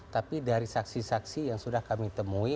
tapi dari saksi saksi yang sudah kami temui